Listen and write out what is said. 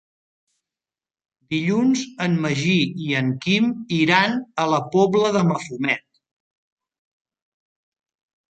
Dilluns en Magí i en Quim iran a la Pobla de Mafumet.